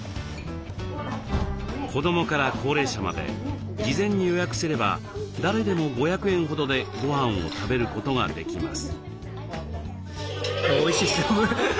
子どもから高齢者まで事前に予約すれば誰でも５００円ほどでごはんを食べることができます。